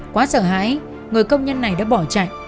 quá sợ hãi người công nhân này đã bỏ chạy